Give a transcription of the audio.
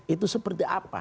itu seperti apa